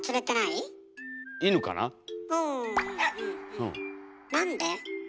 なんで？